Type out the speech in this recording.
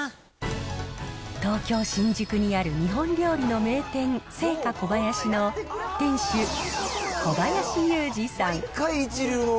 東京・新宿にある日本料理の名店、青華こばやしの店主、小林雄二さん。